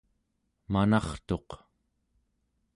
manartuq